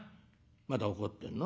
まだ怒ってんの？